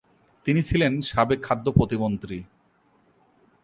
তিনি ছিলেন সাবেক খাদ্য প্রতিমন্ত্রী।